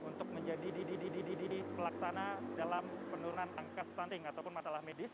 untuk menjadi didi didi didi pelaksana dalam penurunan angka stunting ataupun masalah medis